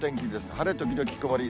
晴れ時々曇り。